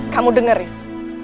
kamu denger haris